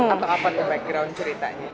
atau apa background ceritanya